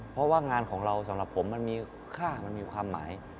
เพราะว่างานของเราสำหรับผมมันมีค่ามันมีความหมาย